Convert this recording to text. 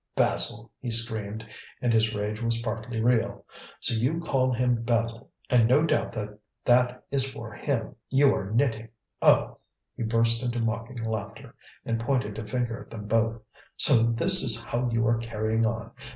"Basil!" he screamed, and his rage was partly real; "so you call him Basil, and no doubt that that is for him you are knitting. Oh!" he burst into mocking laughter, and pointed a finger at them both; "so this is how you are carrying on!